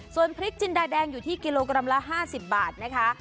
ส่วนพริกจินดาแดงอยู่ที่กิโลกรัมละ๕๐บาทนะคะ